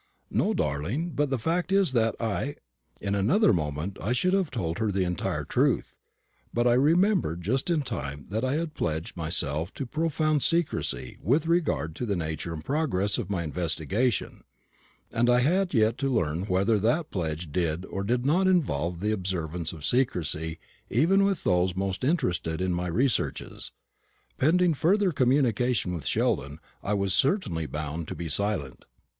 "No, darling; but the fact is that I " In another moment I should have told her the entire truth; but I remembered just in time that I had pledged myself to profound secrecy with regard to the nature and progress of my investigation, and I had yet to learn whether that pledge did or did not involve the observance of secrecy even with those most interested in my researches. Pending further communication with Sheldon, I was certainly bound to be silent.